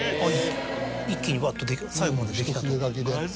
一気にわっと最後までできたと。